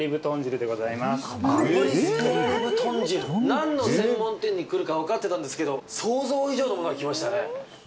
何の専門店に来るかわかってたんですけど、想像以外のものが来ましたね。